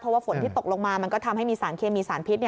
เพราะว่าฝนที่ตกลงมามันก็ทำให้มีสารเคมีสารพิษ